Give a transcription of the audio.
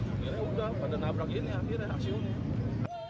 akhirnya udah pada nabrak ini akhirnya aksi ini